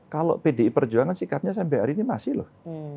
kalau pdi perjuangan sikapnya sampai hari ini masih loh